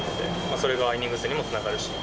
それがイニング数にもつながるし。